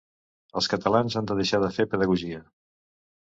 Els catalans han de deixar de fer pedagogia.